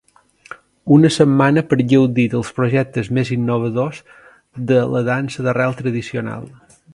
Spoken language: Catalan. Una setmana per gaudir dels projectes més innovadors de la dansa d’arrel tradicional.